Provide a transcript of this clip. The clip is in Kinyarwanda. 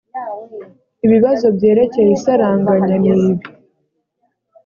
ibibazo byerekeye isaranganya nibi